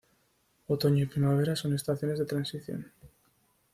Otoño y primavera son estaciones de transición.